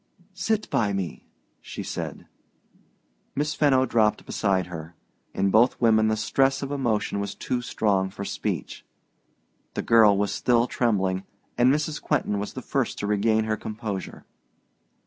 "Sit by me," she said. Miss Fenno dropped beside her. In both women the stress of emotion was too strong for speech. The girl was still trembling, and Mrs. Quentin was the first to regain her composure.